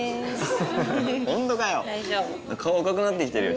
顔赤くなってきてるよ